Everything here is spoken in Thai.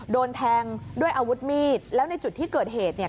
โดนแทงด้วยอาวุธมีดแล้วในจุดที่เกิดเหตุเนี่ย